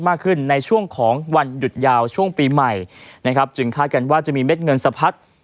มากขึ้นในช่วงของวันหยุดยาวช่วงปีใหม่นะครับจึงคาดกันว่าจะมีเม็ดเงินสะพัด